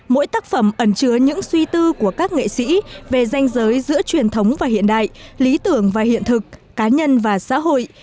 mỗi tác phẩm ẩn chứa những suy tư của các nghệ sĩ về danh giới giữa truyền thống và hiện đại lý tưởng và hiện thực cá nhân và xã hội